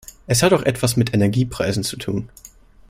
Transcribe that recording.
Es hat auch etwas mit Energiepreisen zu tun.